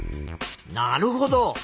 なるほど。